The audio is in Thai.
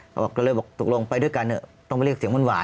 เราก็บอกไปด้วยกันเลยต้องไปเรียกเสียงหวาน